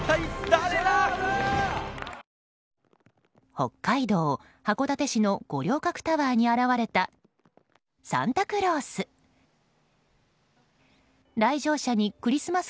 北海道函館市の五稜郭タワーに現れたサンタクロース。